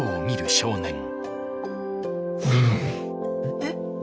えっ？